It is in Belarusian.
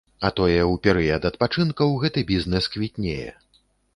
А тое ў перыяд адпачынкаў гэты бізнэс квітнее.